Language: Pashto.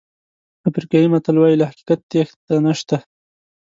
افریقایي متل وایي له حقیقت تېښته نشته.